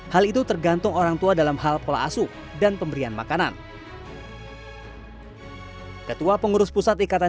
hal itu tergantung orang tua dalam hal pola asuh dan pemberian makanan ketua pengurus pusat ikatan